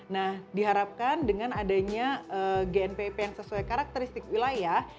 nah diharapkan dengan adanya gnpp yang sesuai karakteristik wilayah